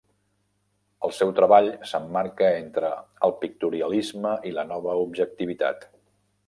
El seu treball s'emmarca entre el pictorialisme i la nova objectivitat.